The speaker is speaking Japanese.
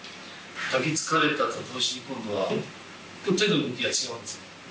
抱きつかれたと同時に、今度はちょっと手の動きが違うんですよ。